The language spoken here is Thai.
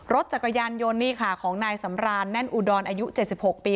รถจักรยานยนต์นี่ค่ะของนายสำรานแน่นอุดรอายุ๗๖ปี